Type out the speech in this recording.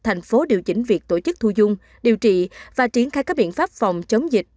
thành phố điều chỉnh việc tổ chức thu dung điều trị và triển khai các biện pháp phòng chống dịch